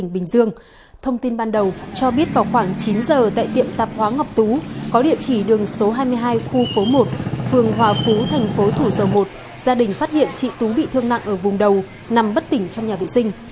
phường hòa phú thành phố thủ sầu một gia đình phát hiện chị tú bị thương nặng ở vùng đầu nằm bất tỉnh trong nhà vệ sinh